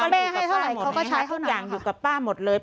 แม่ให้เท่าไรเขาก็ใช้เท่านั้นอยู่กับป้าหมดเลย